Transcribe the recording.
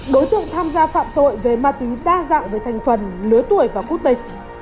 đối tượng tham gia phạm tội về ma túy đa dạng về thành phần lứa tuổi và quốc tịch